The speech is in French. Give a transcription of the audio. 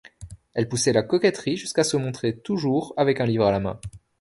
Il poussait la coquetterie jusqu'à se montrer toujours avec un livre à la main.